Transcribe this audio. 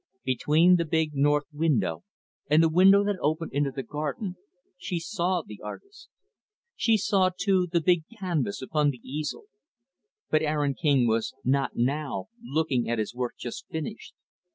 Between the big, north window and the window that opened into the garden, she saw the artist. She saw, too, the big canvas upon the easel. But Aaron King was not, now, looking at his work just finished.